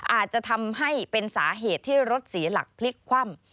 อาจจะทำให้เป็นสาเหตุที่รถเสียหลักพลิกคว่ำ